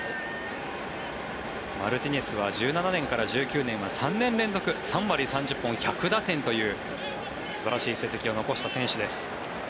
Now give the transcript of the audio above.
マルティネスは２０１７年から２０１９年は３年連続３割、３０本、１００打点という素晴らしい成績を残した選手です。